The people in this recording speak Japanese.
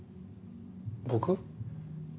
僕？